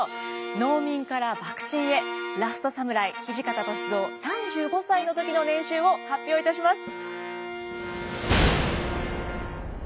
農民から幕臣へラストサムライ土方歳三３５歳の時の年収を発表いたします。